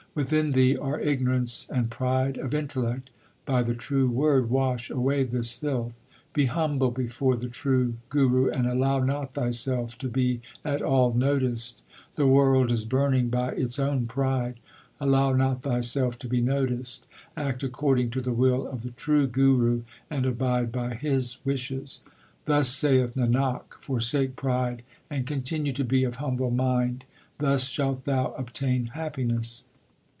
Within thee are ignorance and pride of intellect : by the true Word wash away this filth. Be humble before the true Guru, and allow not thyself to be at all noticed The world is burning by its own pride ; allow not thyself to be noticed Act according to the will of the true Guru, and abide by his wishes. Thus saith Nanak, forsake pride and continue to be of humble mind ; thus shalt thou obtain happiness.